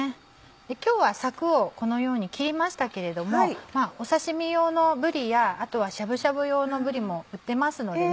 今日はさくをこのように切りましたけれども刺し身用のぶりやあとはしゃぶしゃぶ用のぶりも売ってますのでね。